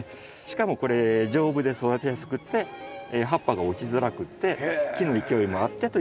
しかもこれ丈夫で育てやすくって葉っぱが落ちづらくって木の勢いもあってという。